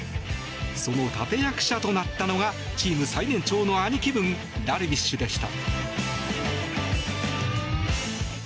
その立役者となったのがチーム最年長の兄貴分ダルビッシュでした。